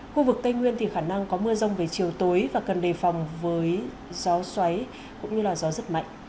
khu vực tây nguyên thì khả năng có mưa rông về chiều tối và cần đề phòng với gió xoáy cũng như gió rất mạnh